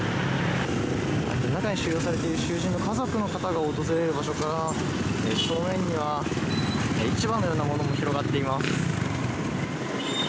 中に収容されている囚人の家族の方が訪れる場所から正面には市場のようなものも広がっています。